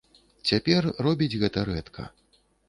Цяпер робіць гэта рэдка.